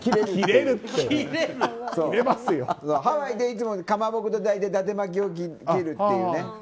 ハワイでいつもかまぼこと伊達巻を切るっていう。